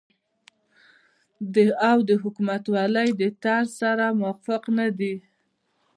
او حکومتولۍ د طرز سره موافق نه دي